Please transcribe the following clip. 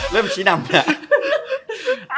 เริ่มชี้นำเนี่ย